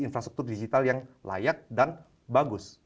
infrastruktur digital yang layak dan bagus